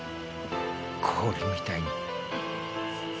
氷みたいに。